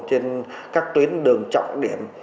trên các tuyến đường trọng điểm